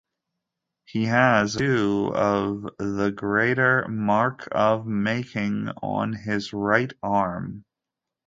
He has a tattoo of the Greater Mark of Making on his right arm.